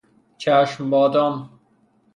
چشم بادام